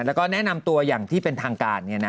แล้วก็แนะนำตัวอย่างที่เป็นทางการ